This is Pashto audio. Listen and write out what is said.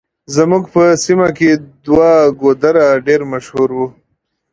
زموږ په سيمه کې دوه ګودره ډېر مشهور وو.